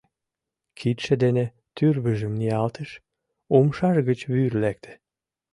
Кидше дене тӱрвыжым ниялтыш, умшаж гыч вӱр лекте.